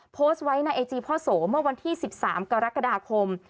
โพสต์ไว้ในไอจีพ่อโสเมื่อวันที่๑๓กรกฎาคม